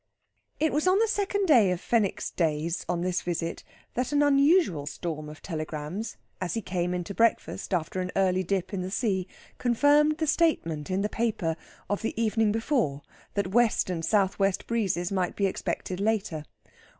It was on the second of Fenwick's days on this visit that an unusual storm of telegrams, as he came in to breakfast after an early dip in the sea, confirmed the statement in the paper of the evening before that W. and S.W. breezes might be expected later.